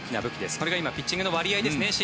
これが今ピッチングの割合ですね。